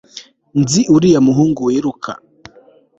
nzi uriya muhungu wiruka